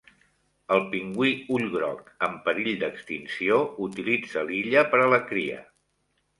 El pingüí ullgroc, en perill d'extinció, utilitza l'illa per a la cria.